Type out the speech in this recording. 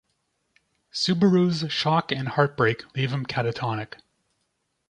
Subaru's shock and heartbreak leave him catatonic.